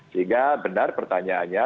sehingga benar pertanyaannya